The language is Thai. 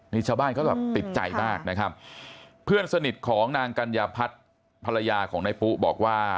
นี่ชาวบ้านเขาแบบติดใจมากนะครับเพื่อนสนิทของนางกัญญาพัฒน์ภรรยาของนายปุ๊บอกว่า